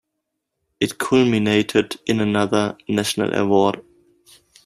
It culminated in another National Award.